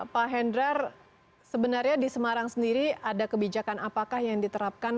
pak hendrar sebenarnya di semarang sendiri ada kebijakan apakah yang diterapkan